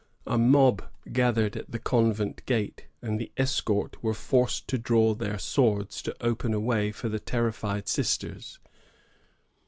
A mob gathered at the convent gate, and the escort were forced to draw their swords to open a way for the terrified sisters.